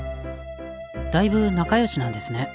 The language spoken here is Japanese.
だいぶ仲良しなんですね。